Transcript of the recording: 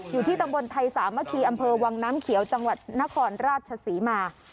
อยู่ที่ตำบลไทยสามัคคีอำเภอวังน้ำเขียวจังหวัดนครราชศรีมา